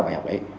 bài học ấy